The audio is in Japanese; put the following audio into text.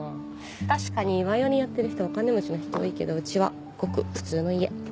確かにヴァイオリンやってる人はお金持ちの人多いけどうちはごく普通の家。